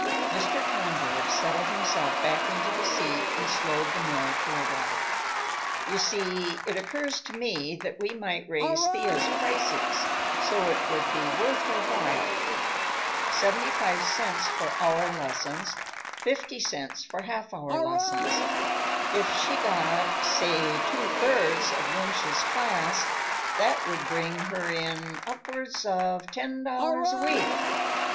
Mr. Kronborg settled himself back into the seat and slowed the mare to a walk. "You see, it occurs to me that we might raise Thea's prices, so it would be worth her while. Seventy five cents for hour lessons, fifty cents for half hour lessons. If she got, say two thirds of Wunsch's class, that would bring her in upwards of ten dollars a week.